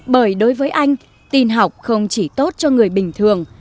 bởi đối với anh tin học không chỉ tốt cho người bình thường